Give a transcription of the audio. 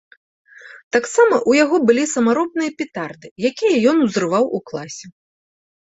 Таксама ў яго былі самаробныя петарды, якія ён узрываў у класе.